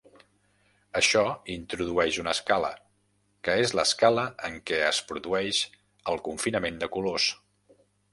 Això introdueix una escala, que és l'escala en què es produeix el confinament de colors.